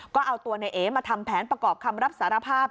ก็เอาตัวในเอมาทำแผนประกอบคำรับสารภาพ